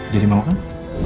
jadi mau kan